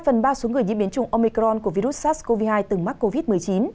hai phần ba số người diễn biến chung omicron của virus sars cov hai từng mắc covid một mươi chín